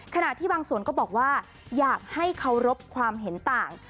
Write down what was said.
ขณะที่บางส่วนก็บอกว่าอยากให้เคารพความเห็นต่าง